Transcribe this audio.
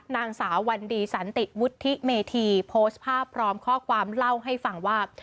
นางสาววันดีสันติวุฒิเมธีโพสต์ภาพพร้อมข้อความเล่าให้ฟังว่า